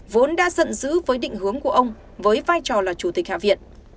vốn đã dận dữ với định hướng của ông với vai trò là chủ tịch hạ viện